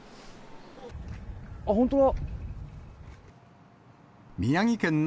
あっ、本当だ。